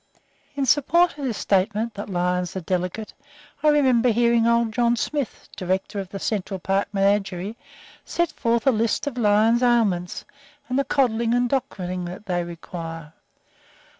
] In support of this statement that lions are delicate, I remember hearing old John Smith, director of the Central Park Menagerie, set forth a list of lions' ailments, and the coddling and doctoring they require.